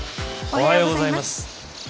おはようございます。